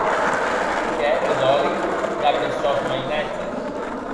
Qu'ère Dolly damb es sòns mainatges.